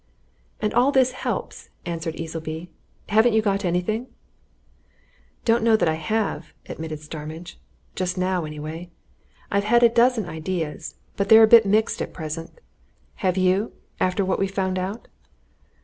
"And all this helps," answered Easleby. "Haven't you got anything?" "Don't know that I have," admitted Starmidge. "Just now, anyway. I've had a dozen ideas but they're a bit mixed at present. Have you after what we've found out?"